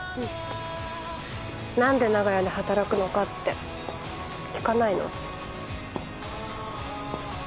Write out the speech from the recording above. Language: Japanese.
なんで長屋で働くのかって聞かないの？